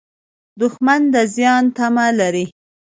دښمن د زیان تمه لري